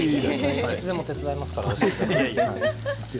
いつでも手伝いますから。